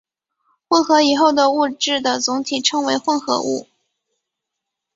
混合以后的物质的总体称作混合物。